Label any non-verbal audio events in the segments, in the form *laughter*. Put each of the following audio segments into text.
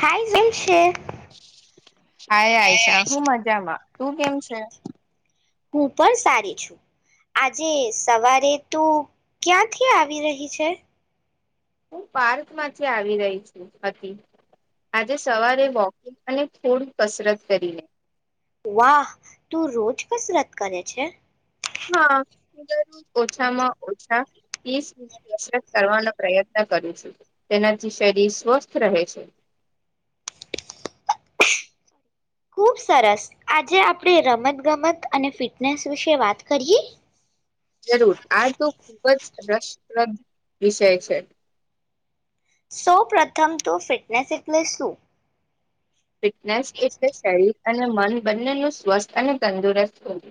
High જેમ છે hi Ayesha હું મજામાં તું કેમ છે હું પણ સારી છું આજે સવારે તો ક્યાંથી આવી રહી છે હું પાર્ક માંથી આવી રહી છુંતિ આજે સવારે વોકિંગ અને થોડી કસરત કરીને વાહ તું રોજ કસરત કરે છે. હા. દરજ ઓછામાં ઓછા ત્રીસ મિનિટ કસરત કરવાનો પ્રયત્ન કરું છું તેનાથી શરીર સ્વસ્થ રહે છે. ખુબ સરસ આજે આપણે રમત ગમત અને ફિટનેસ વિશે વાત કરીએ. જરૂર આ તો ખૂબ જ રસપ્રદ વિષય છે. સૌ પ્રથમ તો ફિટનેસ એટલે શું? ફિટનેસ એટલે શરીર. અને મન બંને ન સ્વસ્થ અને તંદુરસ્ત વધું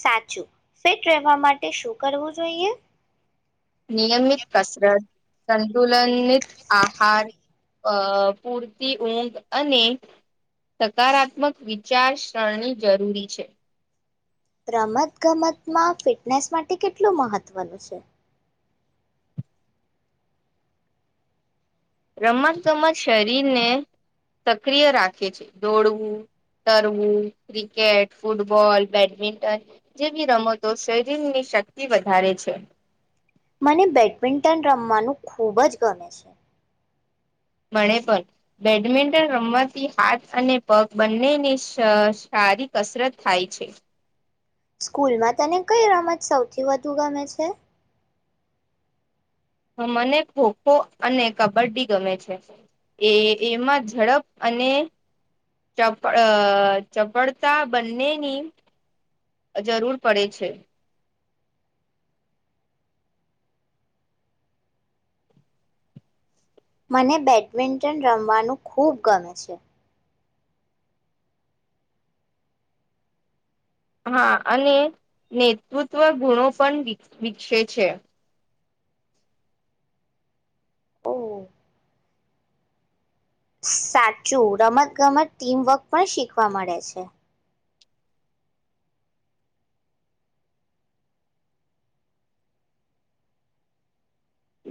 સાચું ફિટ રહેવા માટે શું કરવું જોઈએ. નિયમિત કસરત. સંતુલનિત આહાર અ પૂરતી ઊંઘ અને સકારાત્મક વિચારસરણી જરૂરી છે. રમત ગમતમાં ફિટનેસ માટે કેટલું મહત્ત્વનું છે. રમતોમાં શરીરને સક્રિય રાખે છે દોડવું તરવું ક્રિકેટ ફૂટબોલ બેડમિન્ટન જેવી રમતો શરીરની શક્તિ વધારે છે. મને બેડમિન્ટન રમવાનું ખૂબ જ ગમે છે. બણે પણ બેડમિન્ટન રમવાથી હાથ અને પગ બંનેની સારી કસરત થાય છે. સ્કૂલમાં તને કઈ રમત સૌથી વધુ ગમે છે. મને ખોખો અને કબડ્ડી ગમે છે એ એમાં ઝડપ અને ચપ ચપળતા બંનેની જરૂર પડે છે. મને બેડમિન્ટન રમવાનું ખૂબ ગમે છે. હા અને નેતૃત્વ ગુણો પણ વિક વિકસે છે. ઓ સાચું રમત ગમત ટીમવર્ક પણ શીખવા મળે છે.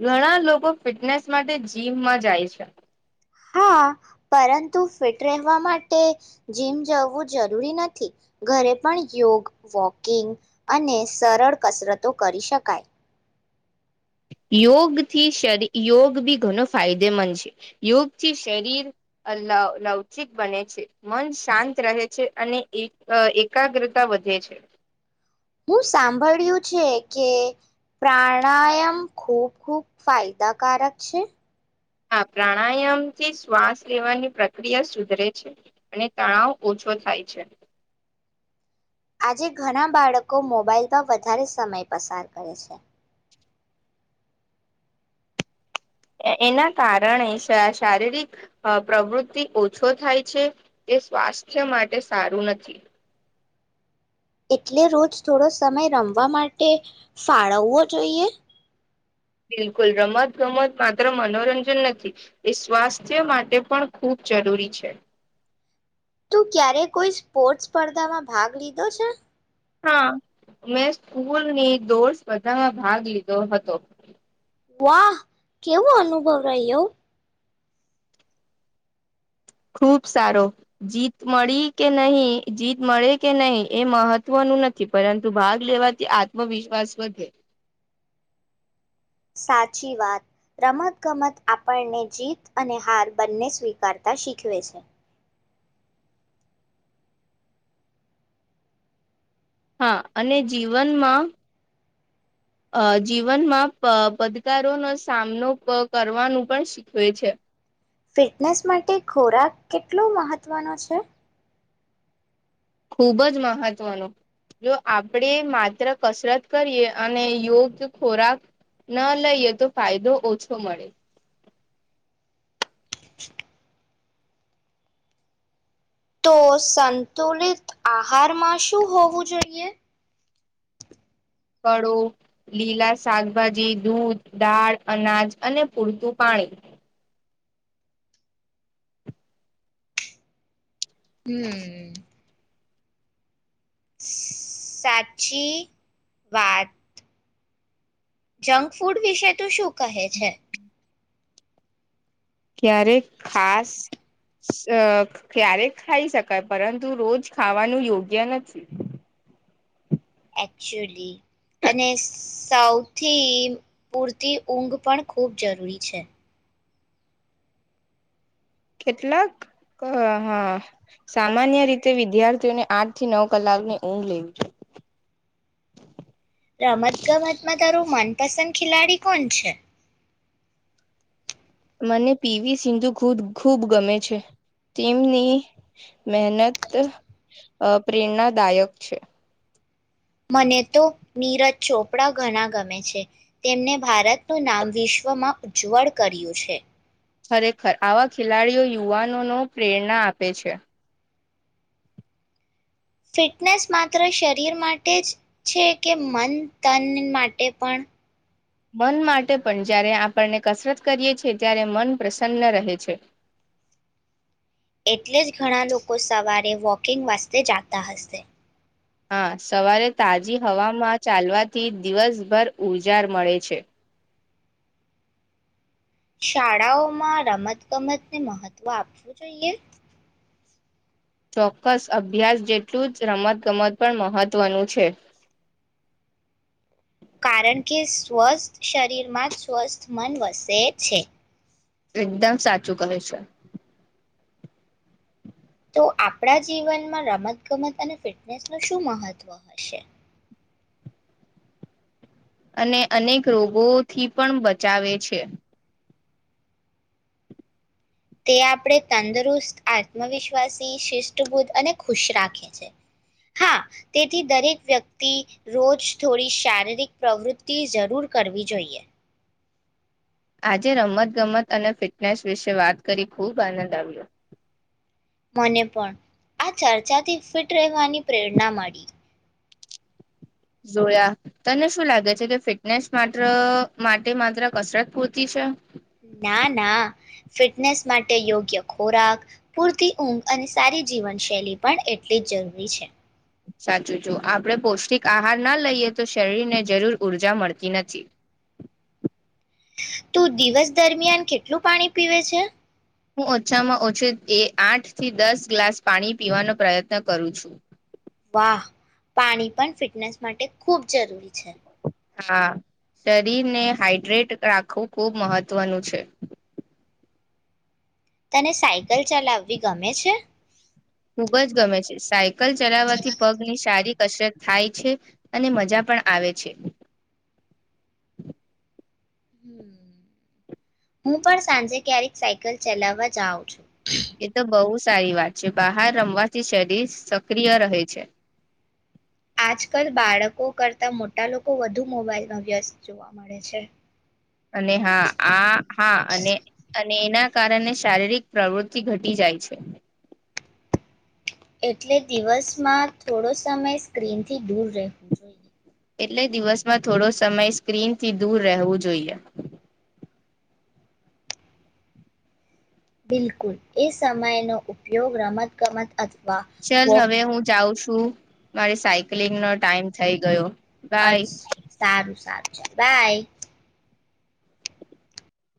ઘણા લોકો ફિટનેસ માટે જીમમાં જાય છે. હા પરંતુ ફિટ રહેવા માટે જીમ જવું જરૂરી નથી ઘરે પણ યોગ વોકિંગ અને સરળ કસરતો કરી શકાય યોગથી શરી યોગ બી ઘણો ફાયદેમંદ છે યોગથી શરીર લવચિક બને છે મન શાંત રહે છે અને એક એકાગ્રતા વધે છે હું સાંભળ્યું છે કે પ્રાણાયામ ખૂબ ખૂબ ફાયદાકારક છે? હા પ્રાણાયામથી શ્વાસ લેવાની પ્રક્રિયા સુધરે છે અને તણાવ ઓછો થાય છે. આજે ઘણા બાળકો મોબાાઈલમાં વધારે સમય પસાર કરે છે. એના કારણે શારીરિક પ્રવૃત્તિ ઓછો થાય છે તે સ્વાસ્થ્ય માટે સારું નથી. એટલે રોજ થોડો સમય રમવા માટે ફાળવવો જોઈએ. બિલકુલ રમત ગમત માત્ર મનોરંજન નથી એ સ્વાસ્થ્ય માટે પણ ખૂબ જરૂરી છે. તું ક્યારે કોઈ સ્પોર્ટસ સ્પર્ધામાં ભાગ લીધો છે. હા મેં સ્કૂલની દોડ સ્પર્ધામાં ભાગ લીધો હતો. વાહ કેવો અનુભવ રહ્યો! ખૂબ સારો જીત મળી કે નહીં જીત મળે કે નહીં એ મહત્વનું નથી પરંતુ ભાગ લેવાથી આત્મવિશ્વાસ વધે સાચી વાત રમતગમત આપણને જીત અને હાર બંને સ્વીકારતા શીખવે છે. હા અને જીવનમાં જીવનમાં પદકારોનો સામનો કરવાનું પણ શીખવે છે. ફિટનેસ માટે ખોરાક કેટલો મહત્વનો છે? ખૂબ જ મહત્વનો જો આપણેે માત્ર કસરત કરીએ અને યોગ ખોરાક ન લઈએ તો ફાયદો ઓછો મળે. *unintelligible* તો સંતુલિત આહારમાં શું હોવું જોઈએ? ફળો લીલા શાકભાજી દૂધ દાળ અનાજ અને પૂરતું પાણી. હમ્મ. સાચી વાત જંકફૂડ વિશે તું શું કહે છે. ક્યારેક ખાસ, ક્યારેક ખાઈ શકાય, પરંતુ રોજ ખાવાનું યોગ્ય નથી. એકચુલી અને સાૌથી પૂરતી ઊંઘ પણ ખૂબ જરૂરી છે. કેટલાક હહ સામાન્ય રીતે વિદ્યાર્થીઓને આઠ થી નવ કલાકની ઊંઘ લેવી જોઈએ. રમત-ગમતમાં તારું મન પસંદ ખિલાડી કોણ છે? મને પીવી સિંધુ ખૂબ ખૂબ ગમે છે. તેમની મહેનત પ્રેરણાદાયક છે. મને તો નીરજ ચોપડા ઘણા ગમે છે. તેમને ભારતનું નામ વિશ્વમાં ઉજ્જવળ કર્યું છે. ખરેખર આવા ખેલાડીઓ યુવાનોનો પ્રેરણા આપે છે. ફિટનેસ માત્ર શરીર માટે જ છે, કે મન તન માટે પણ? મન માટે પણ, જ્યારે આપણને કસરત કરીએ છીએ, ત્યારે મન પ્રસન્ન રહે છે. એટલેજ ઘણા લોકો સવારે વોકિંગ વાસ્તે જાતા હશે. હા, સવારે તાજી હવામાં ચાલવાથી દિવસભર ઉર્જાર મળે છે. શાળાઓમાં રમત-ગમતને મહત્વ આપવું જોઈએ? ચોક્કસ અભ્યાસ જેટલું જ રમતગમત પણ મહત્વનું છે. કારણ કે સ્વસ્થ શરીરમાં જ સ્વસ્થ મન વસે છે. એકદમ સાચું કહે છે. *inaudible* તો આપડા જીવનમાં રમત-ગમત અને ફિટનેસ નુ શું મહત્વ હશે? અને અનેક રોગોથી પણ બચાવે છે. તે આપડે તંદુરુસ્ત, આત્મવિશ્વાસી, શિષ્ટબુદ્ધ અને ખુશ રાખે છે. હા, તેથી દરેક વ્યક્તિ રોજ થોડી શારીરિક પ્રવૃત્તિ જરૂર કરવી જોઈએ. આજે રમતગમત અને ફિટનેસ વિશે વાત કરી ખૂબ આનંદ આવ્યો. મને પણ આ ચર્ચાથી ફિટ રહેવાની પ્રેરણા મળી. જોયા તને શું લાગે છે? કે ફિટનેસ માત્ર માટે માત્ર કસરત પૂરતી છે. ના ના ફિટનેસ માટે યોગ્ય ખોરાક પૂરતી ઊંઘ અને સારી જીવનશૈલી પણ એટલી જ જરૂરી છે. સાચું જો આપણે પૌષ્ટિક આહાર ના લઈએ તો શરીરને જરૂર ઊર્જા મળતી નથી. તું દિવસ દરમિયાન કેટલું પાણી પીવે છે? હું ઓછામાં ઓછી એ આઠથી દસ ગ્લાસ પાણી પીવાનો પ્રયત્ન કરું છું. હા, પાણી પણ ફિટનેસ માટે ખૂબ જરૂરી છે. હા, શરીરને હાઈડ્રેટ રાખવું ખુબ મહત્વનું છે. તને સાયકલ ચલાવ ગમે છે? ખુબ જ ગમે છે સાય લ હમ ચલાવવાથી પગ ની સારી કસરત થાય છે અને મજા પણ આવે છે. હું પણ સાંજે ક્યારેક સાયકલ ચલાવવા જાઉં છું. એ તો બહુ સારી વાત છે બહાર રમવાથી શરીર સક્રિય રહે છે. આજકાલ બાળકો કરતા મોટા લોકો વધુ મોબાઈલમાં વ્યસ્ત જોવા મળે છે. અને હા આ હા અને અને એના કારણે શારીરિક પ્રવૃતિ ઘટી જાય છે. એટલે દિવસમાં થોડો સમય સ્ક્રીનથી દૂર રહેવું જોઈએ. એટલે દિવસમાં થોડો સમય સ્ક્રીન થી દૂર રહેવું જોઈએ. બિલકુલ એ સમય નો ઉપયોગ રમત ગમત અ ચલ હવે હું જાઉં છું. તું મારે સાયક્લિંગ નો ટાઈમ થઈ ગયો. અ બાય સારું સારું. બાય.